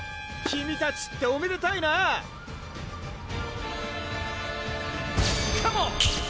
君たちっておめでたいなぁカモン！